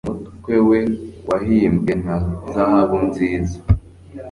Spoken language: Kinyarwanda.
Umutwe we wahimbwe na zahabu nziza